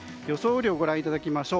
雨量をご覧いただきます。